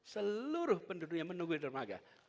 seluruh penduduknya menunggu di dermaga